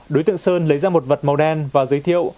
đối tượng sơn lấy ra một vật màu đen và giới thiệu